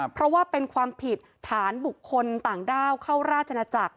เพราะว่าเป็นความผิดฐานบุคคลต่างด้าวเข้าราชนาจักร